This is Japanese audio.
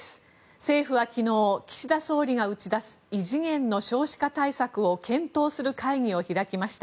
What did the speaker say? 政府は昨日岸田総理が打ち出す異次元の少子化対策を検討する会議を開きました。